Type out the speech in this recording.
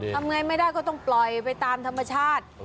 ทำไงไม่ได้ก็ต้องปล่อยไปตามธรรมชาติ